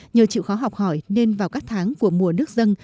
nhờ chịu khó học hỏi nên vào các tháng của mùa nước dân